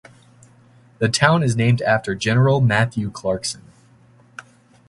The town is named after General Matthew Clarkson.